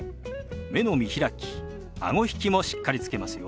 目の見開きあご引きもしっかりつけますよ。